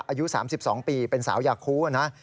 อายุ๓๒ปีเป็นสาวยาคูนะ